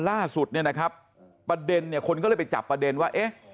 ล่าสุดเนี่ยนะครับประเด็นเนี่ยคนก็เลยไปจับประเด็นว่าเอ๊ะ